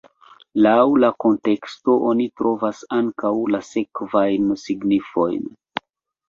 Laŭ la konteksto oni trovas ankaŭ la sekvajn signifojn.